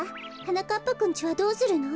はなかっぱくんちはどうするの？